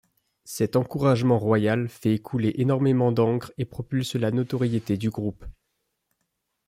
Cet encouragement royal fait couler énormément d'ancre et propulse la notoriété du groupe.